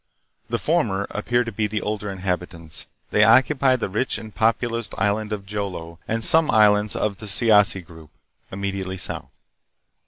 The former appear to be the older inhabitants. They occupy the rich and popu lous island of Jolo and some islands of the Siassi group, immediately south.